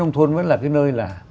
cho nên là